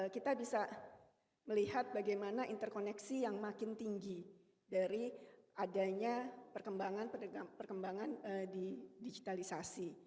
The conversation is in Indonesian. kita bisa melihat bagaimana interkoneksi yang makin tinggi dari adanya perkembangan di digitalisasi